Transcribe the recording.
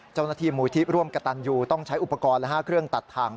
เจ้าหน้าที่มูลที่ร่วมกระตันยูต้องใช้อุปกรณ์เครื่องตัดทาง